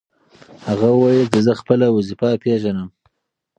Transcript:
هغه وویل چې زه خپله وظیفه پېژنم.